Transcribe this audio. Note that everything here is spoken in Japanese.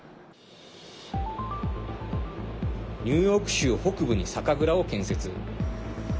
ニューヨーク州北部に酒蔵を建設。